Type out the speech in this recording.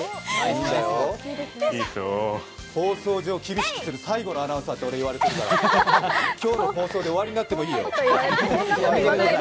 放送上、厳しくする最後のアナウンサーと俺、言われてるから今日の放送で終わりになってもいいよ。